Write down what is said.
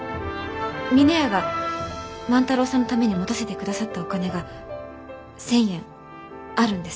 峰屋が万太郎さんのために持たせてくださったお金が１，０００円あるんです。